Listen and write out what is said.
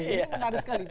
ini menarik sekali